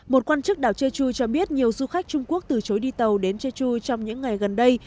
một quan chức đảo jeju cho biết nhiều du khách trung quốc từ chối đi tàu đến jeju trong những ngày gần đây